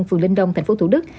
phường linh đông thành phố thủ đức